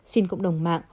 xin cộng đồng mạng